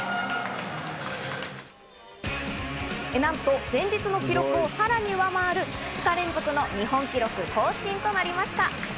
なんと前日の記録をさらに上回る２日連続の日本記録更新となりました。